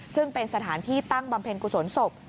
ซึ่งเป็นสถานที่ตั้งบำเพ็ญกุศลศพ